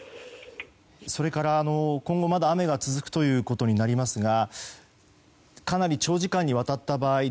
それから、今後まだ雨が続くことになりますがかなり長時間にわたった場合